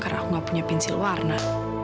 karena aku gak punya pincel warna